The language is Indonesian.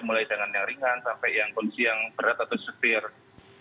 mulai dengan yang ringan sampai yang kondisi yang berat atau setir